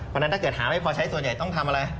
เพราะฉะนั้นถ้าเกิดหาไม่พอใช้ส่วนใหญ่ต้องทำอะไร